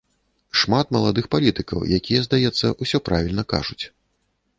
Шмат маладых палітыкаў, якія, здаецца, усё правільна кажуць.